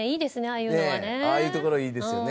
ああいう所いいですよね。